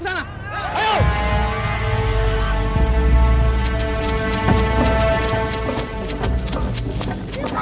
menjadi orang yang lebih baik